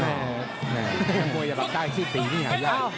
แม่งโมยาบังกายชื่อตีนี่หรือเปล่า